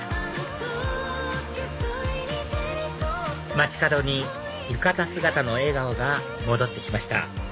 街角に浴衣姿の笑顔が戻ってきました